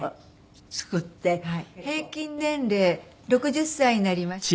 平均年齢６０歳になりました。